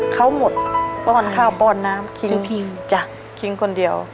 เขาหมดป้อนข้าวป้อนน้ำกินจ้ะคิงคนเดียว